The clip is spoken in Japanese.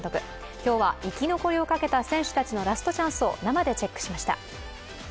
今日は生き残りをかけた選手たちのラストチャンスを生でチェックしました。